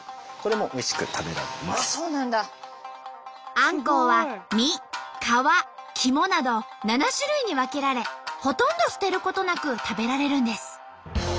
あんこうは身皮肝など７種類に分けられほとんど捨てることなく食べられるんです。